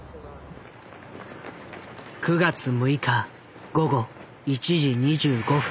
９月６日午後１時２５分。